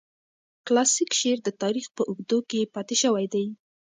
کلاسیک شعر د تاریخ په اوږدو کې پاتې شوی دی.